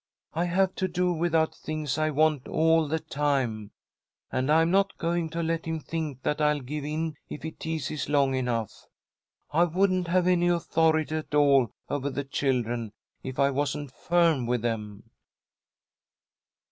"I have to do without things I want all the time. And I'm not going to let him think that I'll give in if he teases long enough. I wouldn't have any authority at all over the children if I wasn't firm with them."